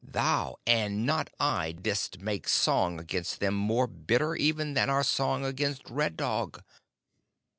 Thou, and not I, didst make song against them more bitter even than our song against Red Dog."